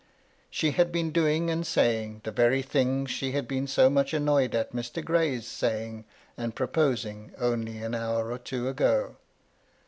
She had been doing and saying the very things she had been so much annoyed at Mr. Gray^s saying and proposing only an hour or two ago.